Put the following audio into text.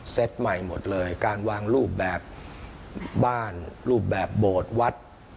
ใหม่หมดเลยการวางรูปแบบบ้านรูปแบบโบสถ์วัด